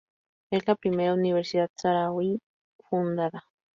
Es la primera universidad saharaui fundada.